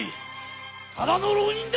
ただの浪人だ。